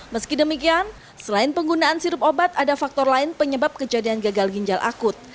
meski demikian selain penggunaan sirup obat ada faktor lain penyebab kejadian gagal ginjal akut